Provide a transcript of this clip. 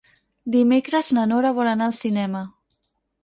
Dimecres na Nora vol anar al cinema.